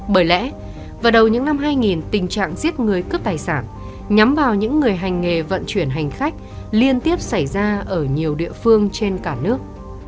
bởi lẽ vào đầu những năm hai nghìn tình trạng giết người cướp tài sản nhắm vào những người hành nghề vận chuyển hành khách liên tiếp xảy ra ở nhiều địa phương trên cả nước